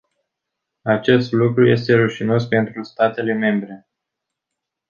Acest lucru este rușinos pentru statele membre.